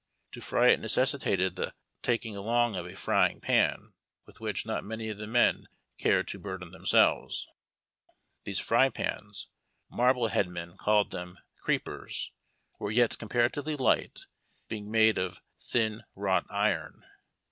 To fry it necessitated the taking along of a frying pan with which not many of the men cared to burden themselves. These fry pans — Marbleheadmen called them Creepers — were yet comparatively light, beiug made of thin wrought iron.